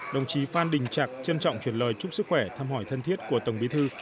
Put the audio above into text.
đồng chí phan đình trạc trân trọng truyền lời chúc sức khỏe thăm hỏi thân thiết của tổng bí thư